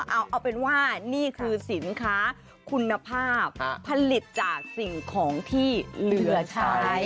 เอาเป็นว่านี่คือสินค้าคุณภาพผลิตจากสิ่งของที่เหลือใช้